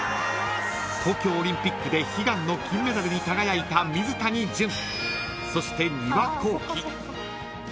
［東京オリンピックで悲願の金メダルに輝いた水谷隼そして丹羽孝希］